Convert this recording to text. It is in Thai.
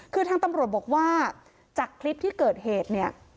คือทางตำรวจบอกว่าจากคลิปที่เกิดเหตุเนี่ย